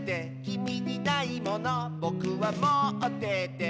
「きみにないものぼくはもってて」